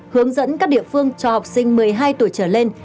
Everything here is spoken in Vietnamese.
hướng dẫn các địa phương cho học sinh một mươi hai tuổi trở lên